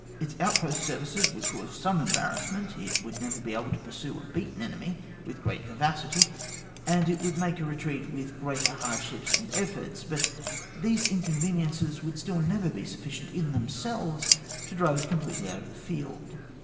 Its outpost service would cause some embar rassment ; it would never be able to pur sue a beaten enemy with great vivacity, and it must make a retreat with greater hardships and efforts ; but these incon veniences would still never be sufficient in themselves to drive it completely out of the field.